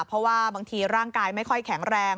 เพราะว่าบางทีร่างกายไม่ค่อยแข็งแรง